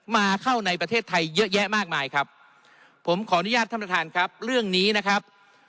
มาเข้าในประเทศไทยเยอะแยะมากมายครับผมขออนุญาตท่านประธานครับเรื่องนี้นะครับ